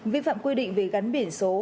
vi phạm quy định về gắn biển số